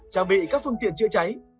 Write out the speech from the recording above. trang bị các phương tiện chữa cháy